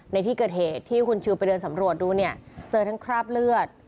ในที่เกิดเหตุที่คุณชิลไปเดินสำรวจดูเนี่ยเจอทั้งคราบเลือด